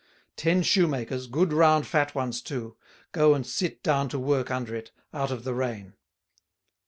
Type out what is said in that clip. Ten shoemakers, good round fat ones too, go and sit down to work under it out of the rain."